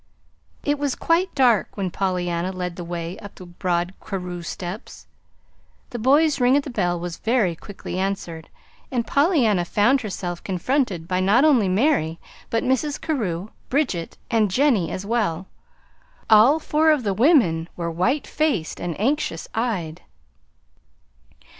It was quite dark when Pollyanna led the way up the broad Carew steps. The boy's ring at the bell was very quickly answered, and Pollyanna found herself confronted by not only Mary, but by Mrs. Carew, Bridget, and Jennie as well. All four of the women were white faced and anxious eyed.